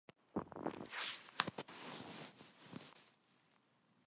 지난번에 철수에게 다녀온 후부터는 웬일인지 기색이 좋지 않아서 나도 퍽 의심을 하는 중이야.